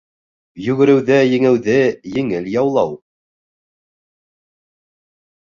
Йүгереүҙә еңеүҙе еңел яулау